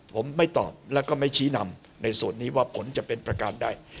ผมไม่ตอบแล้วก็ไม่ชี้นำในส่วนนี้ว่าผลจะเป็นประการใด